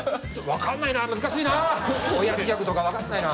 分かんないな難しいな。